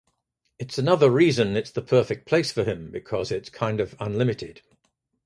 It's another reason it's the perfect place for him because it's kind of unlimited.